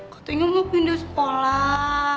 katanya mau pindah sekolah